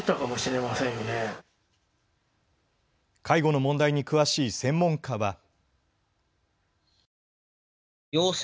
介護の問題に詳しい専門家は。